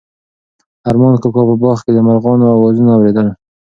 ارمان کاکا په باغ کې د مرغانو اوازونه اورېدل.